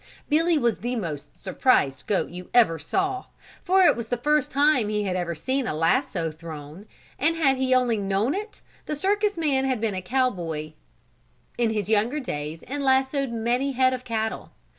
Billy was the most surprised goat you ever saw, for it was the first time he had ever seen a lasso thrown and had he only known it, the circus man had been a cowboy in his younger days and lassoed many head of cattle.